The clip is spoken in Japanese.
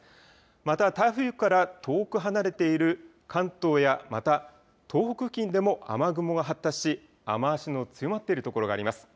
また台風から遠く離れている関東やまた東北付近でも雨雲が発達し雨足の強まっている所があります。